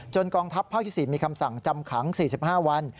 กองทัพภาคที่๔มีคำสั่งจำขัง๔๕วัน